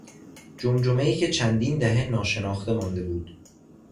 جمجمهای که چندین دهه ناشناخته مانده بود.